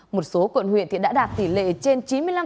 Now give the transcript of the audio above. một số quận huyện đã đạt tỷ lệ trên chín mươi năm